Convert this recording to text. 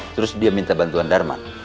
terus dia minta bantuan darmat